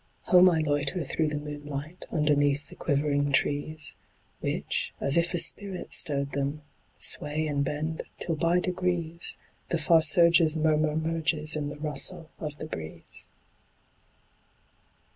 Home I loiter through the moonlight, Underneath the quivering trees, Which, as if a spirit stirred them, Sway and bend, till by degrees The far surge's murmur merges In the rustle of the breeze.